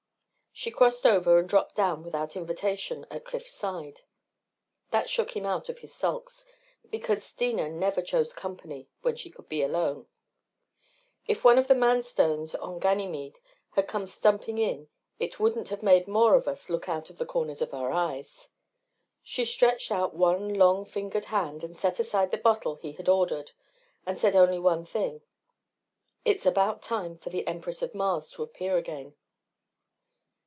She crossed over and dropped down without invitation at Cliff's side. That shook him out of his sulks. Because Steena never chose company when she could be alone. If one of the man stones on Ganymede had come stumping in, it wouldn't have made more of us look out of the corners of our eyes. She stretched out one long fingered hand and set aside the bottle he had ordered and said only one thing, "It's about time for the Empress of Mars to appear again."